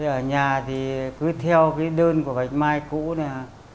ở nhà thì cứ theo cái đơn của bạch mai cũ này